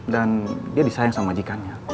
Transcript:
dan dia disayang sama majikannya